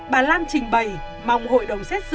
bà lan trình bày mong hội đồng xét xử